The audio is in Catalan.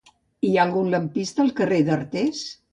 Hi ha algun lampista al carrer d'Artés?